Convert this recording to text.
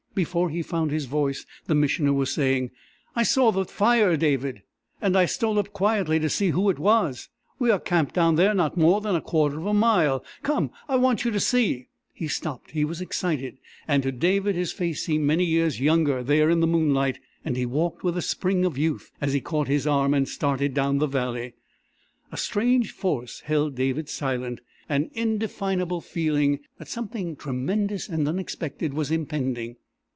Before he found his voice, the Missioner was saying: "I saw the fire, David, and I stole up quietly to see who it was. We are camped down there not more than a quarter of a mile. Come! I want you to see...." He stopped. He was excited. And to David his face seemed many years younger there in the moonlight, and he walked with the spring of youth as he caught his arm and started down the valley. A strange force held David silent, an indefinable feeling that something tremendous and unexpected was impending.